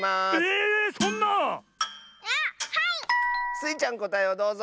スイちゃんこたえをどうぞ！